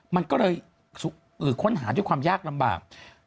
มันก็เลยค้นหาด้วยความยากลำบาก